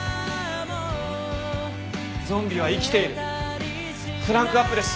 『ゾンビは生きている』クランクアップです！